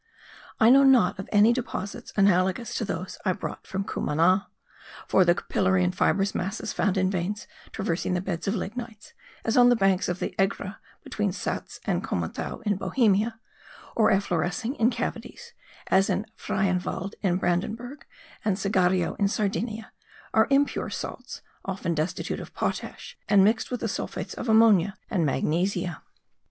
I know not of any deposits analogous to those I brought from Cumana; for the capillary and fibrous masses found in veins traversing beds of lignites (as on the banks of the Egra, between Saatz and Commothau in Bohemia), or efflorescing in cavities (as at Freienwalde in Brandenburg, and at Segario in Sardinia), are impure salts, often destitute of potash, and mixed with the sulphates of ammonia and magnesia.